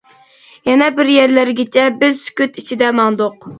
يەنە بىر يەرلەرگىچە بىز سۈكۈت ئىچىدە ماڭدۇق.